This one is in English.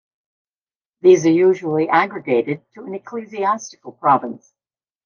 These are usually "aggregated" to an ecclesiastical province.